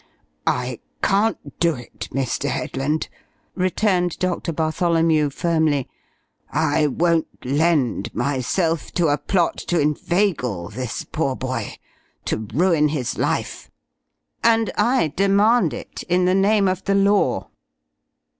"I can't do it, Mr. Headland," returned Doctor Bartholomew, firmly. "I won't lend myself to a plot to inveigle this poor boy, to ruin his life " "And I demand it in the name of the Law."